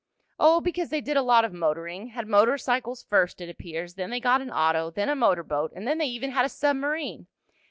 "Oh, because they did a lot of motoring. Had motor cycles first, it appears, then they got an auto, then a motor boat, and then they even had a submarine!"